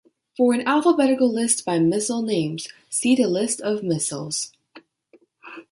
For an alphabetical list by missile name, see the list of missiles.